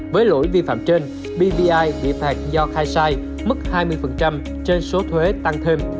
với lỗi vi phạm trên bvi bị phạt do khai sai mức hai mươi trên số thuế tăng thêm